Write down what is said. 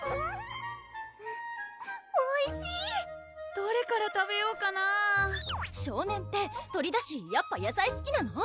どれから食べようかなぁ少年って鳥だしやっぱ野菜すきなの？